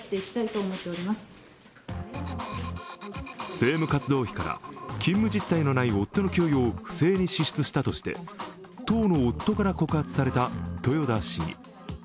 政務活動費から勤務実態のない夫の給与を不正に支出したとして、当の夫から告発された豊田市議。